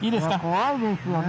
怖いですよね。